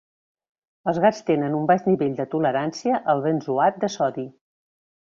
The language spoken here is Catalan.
Els gats tenen un baix nivell de tolerància al benzoat de sodi.